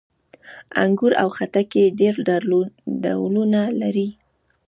انګور او خټکي یې ډېر ډولونه لري.